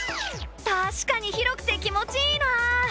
確かに広くて気持ちいいな。